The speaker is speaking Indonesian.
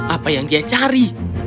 apa yang dia cari